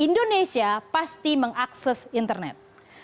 indonesia pasti mengakses internet